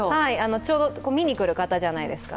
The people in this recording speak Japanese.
ちょうど見に来る方じゃないですか？